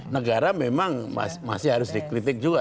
negara memang masih harus dikritik juga